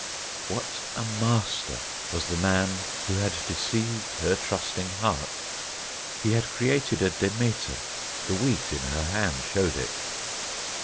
What a master was the man who had deceived her trusting heart! He had created a Demeter; the wheat in her hand showed it.